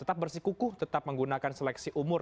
tetap bersih kukuh tetap menggunakan seleksi umur